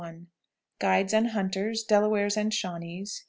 Guides and Hunters. Delawares and Shawnees.